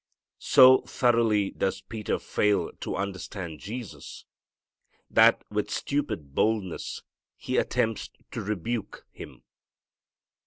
So thoroughly does Peter fail to understand Jesus, that with stupid boldness he attempts to "rebuke" Him.